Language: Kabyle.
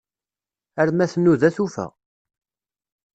Arma tnuda tufa.